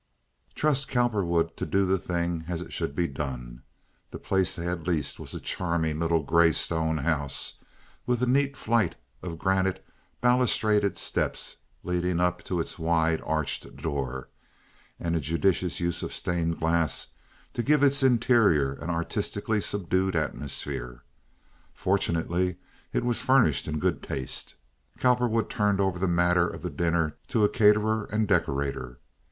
Trust Cowperwood to do the thing as it should be done. The place they had leased was a charming little gray stone house, with a neat flight of granite, balustraded steps leading up to its wide arched door, and a judicious use of stained glass to give its interior an artistically subdued atmosphere. Fortunately, it was furnished in good taste. Cowperwood turned over the matter of the dinner to a caterer and decorator.